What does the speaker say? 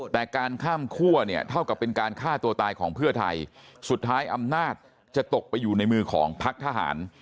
แต่การข้ามคั่วเนี่ยเท่ากับเป็นการฆ่าตัวตายของเพื่อไทยสุดท้ายอำนาจจะตกไปอยู่ในมือของพักทหาร